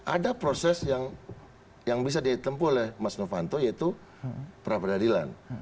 ada proses yang bisa ditempuh oleh mas novanto yaitu pra peradilan